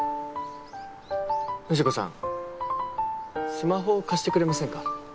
スマホを貸してくれませんか？